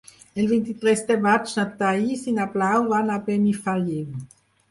El vint-i-tres de maig na Thaís i na Blau van a Benifallim.